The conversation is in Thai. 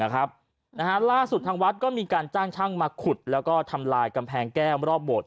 ล่าสุดทางวัดก็มีการจ้างช่างมาขุดแล้วก็ทำลายกำแพงแก้วรอบโบสถ